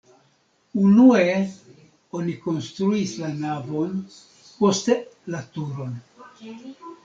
Unue oni konstruis la navon, poste la turon.